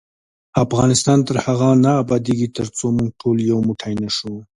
افغانستان تر هغو نه ابادیږي، ترڅو موږ ټول یو موټی نشو.